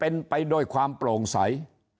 เป็นไปโดยความโปร่งสาย